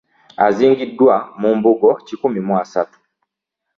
Aziingiddwa mu mbugo kikumi mu asatu